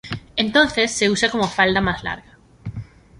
Entonces se usa como falda más larga.